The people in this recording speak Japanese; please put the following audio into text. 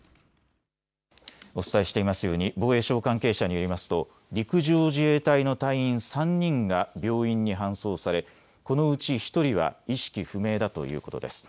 お伝えしていますように防衛省関係者によりますと陸上自衛隊の隊員３人が病院に搬送されこのうち１人は意識不明だということです。